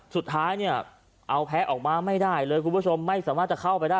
สุดท้ายเนี่ยเอาแพ้ออกมาไม่ได้เลยคุณผู้ชมไม่สามารถจะเข้าไปได้